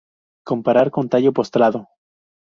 Comparar con tallo postrado.